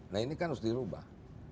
nah ini kan harus dirubah